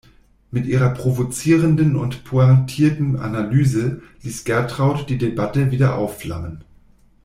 Mit ihrer provozierenden und pointierten Analyse ließ Gertraud die Debatte wieder aufflammen.